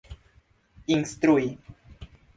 instrui